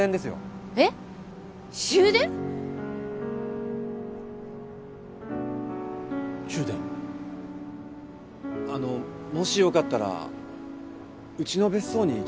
あのもしよかったらうちの別荘に来ます？